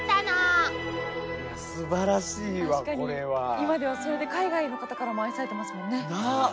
今ではそれで海外の方からも愛されてますもんね。なあ！